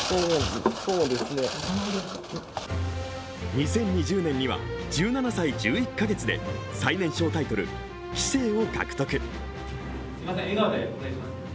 ２０２０年には１７歳１１か月で最年少タイトル・棋聖を獲得。